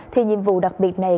thì nhiệm vụ đặc biệt này